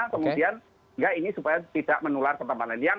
kemudian ya ini supaya tidak menular ke tempat lain